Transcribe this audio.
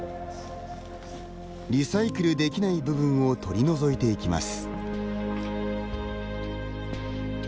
リサイクルできない部分を取り除いていきます。